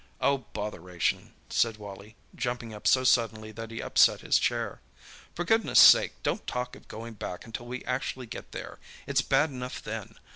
"Oh, botheration!" said Wally, jumping up so suddenly that he upset his chair. "For goodness' sake, don't talk of going back until we actually get there; it's bad enough then.